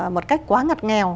một cách quá ngặt nghèo